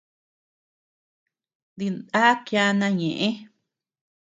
Dindá kiana ñeʼe.